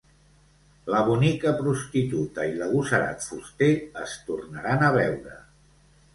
La bonica prostituta i l'agosarat fuster es tornaran a veure.